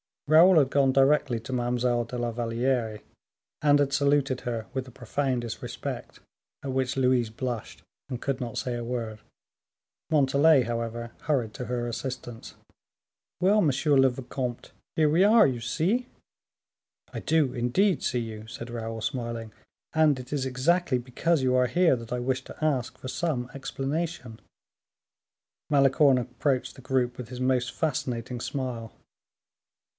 Raoul had gone directly to Mademoiselle de la Valliere, and had saluted her with the profoundest respect, at which Louise blushed, and could not say a word. Montalais, however, hurried to her assistance. "Well, monsieur le vicomte, here we are, you see." "I do, indeed, see you," said Raoul smiling, "and it is exactly because you are here that I wish to ask for some explanation." Malicorne approached the group with his most fascinating smile.